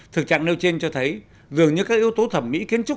thực trạng nêu trên cho thấy dường như các yếu tố thẩm mỹ kiến trúc